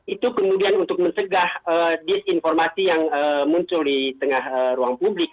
itu kemudian untuk mencegah disinformasi yang muncul di tengah ruang publik